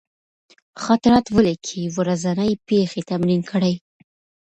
خاطرات ولیکئ، ورځني پېښې تمرین کړئ.